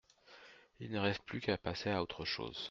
Il ne reste plus qu’à passer à autre chose.